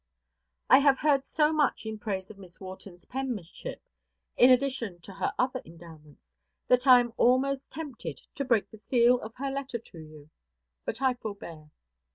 I have heard so much in praise of Miss Wharton's penmanship, in addition to her other endowments, that I am almost tempted to break the seal of her letter to you; but I forbear.